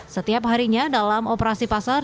setiap harinya dalam operasi pasar